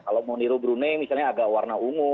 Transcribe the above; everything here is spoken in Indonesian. kalau moniru brunei misalnya agak warna ungu